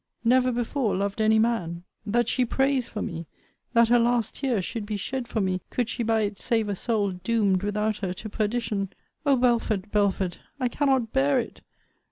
Never before loved any man! That she prays for me! That her last tear should be shed for me, could she by it save a soul, doomed, without her, to perdition! O Belford! Belford! I cannot bear it!